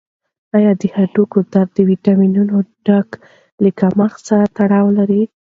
آیا د هډوکو درد د ویټامین ډي له کمښت سره تړاو لري؟